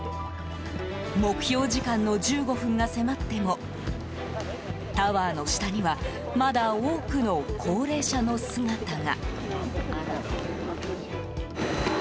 目標時間の１５分が迫ってもタワーの下にはまだ多くの高齢者の姿が。